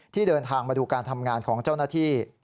ที่เดินทางมาดูการทำงานของเจ้าหน้าที่